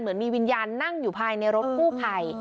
เหมือนมีวิญญาณนั่งอยู่ภายในรถกู้ภัย